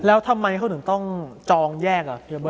แล้วทำไมเขาถึงต้องจองแยกกับเฮวอย่างเบอร์น์